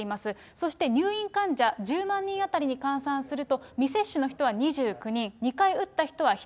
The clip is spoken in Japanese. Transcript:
そして入院患者１０万人当たりに換算すると、未接種の人は２９人、１０万人で。